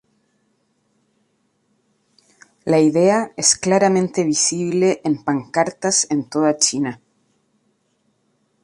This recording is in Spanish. La idea es claramente visible en pancartas en toda China.